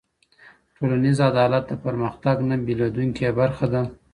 ټولنیز عدالت د پرمختیا نه بېلېدونکې برخه ده.